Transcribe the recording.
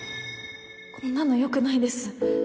こんなのよくないです